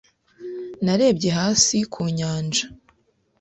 Narebye hasi ku nyanja.